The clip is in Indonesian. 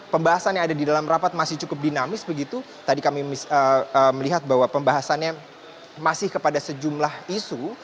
pembahasan yang ada di dalam rapat masih cukup dinamis begitu tadi kami melihat bahwa pembahasannya masih kepada sejumlah isu